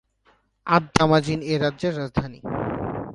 আদ-দামাজিন এ রাজ্যের রাজধানী।